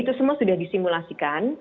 itu semua sudah disimulasikan